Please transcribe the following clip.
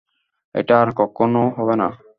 এটা আর কক্ষনো হবে না।